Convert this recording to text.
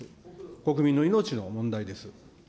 国民の命の問題です。